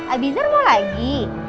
abizar mau lagi